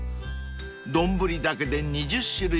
［丼だけで２０種類以上］